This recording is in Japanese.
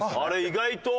意外と。